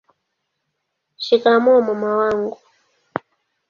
shikamoo mama wangu